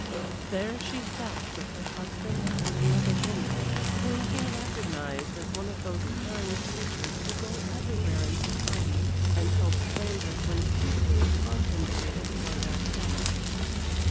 There she sat with her husband and another woman, whom he recognized as one of those kind creatures who go everywhere in society and help strangers when suitably compensated for their trouble.